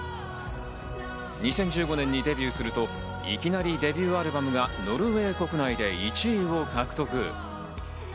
２０１５年にデビューすると、いきなりデビューアルバムがノルウェー国内で１位を獲得。